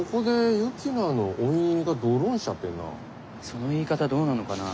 その言い方どうなのかな？